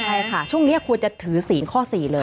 ใช่ค่ะช่วงนี้ควรจะถือศีลข้อ๔เลย